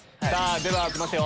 では行きますよ。